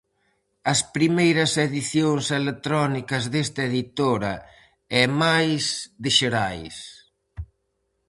As primeiras edicións electrónicas desta editora e mais de Xerais.